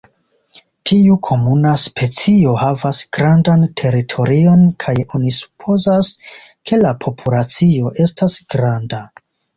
Tiu komuna specio havas grandan teritorion kaj oni supozas, ke la populacio estas granda.